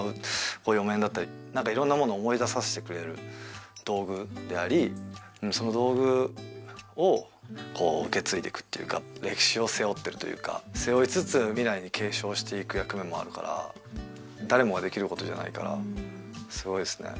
こういうお面だったり何か色んなものを思い出させてくれる道具でありその道具をこう受け継いでいくっていうか歴史を背負ってるというか背負いつつ未来に継承していく役目もあるから誰もができることじゃないからすごいですね